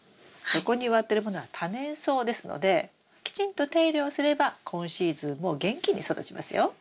そこに植わってるものは多年草ですのできちんと手入れをすれば今シーズンも元気に育ちますよ。